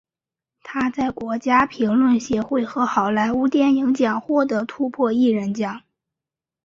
他在国家评论协会和好莱坞电影奖赢得突破艺人奖。